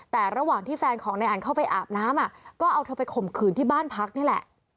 แต่ระหว่างที่แฟนของนายอันเข้าไปอาบน้ำก็เอาเธอไปข่มขืนที่บ้านพักนี่แหละ